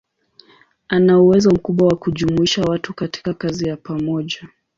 Ana uwezo mkubwa wa kujumuisha watu katika kazi ya pamoja.